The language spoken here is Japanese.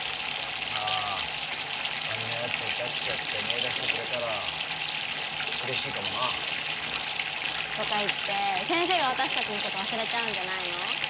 「あああんなやついたっけ」って思い出してくれたらうれしいかもな。とか言って先生が私たちのこと忘れちゃうんじゃないの？